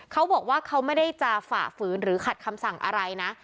เขาบอกว่าเขาไม่ได้จะฝ่าฝืนหรือขัดคำสั่งอะไรนะ